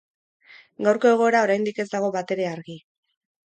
Gaurko egoera oraindik ez dago batere argi.